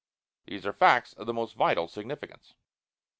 These are facts of the most vital significance.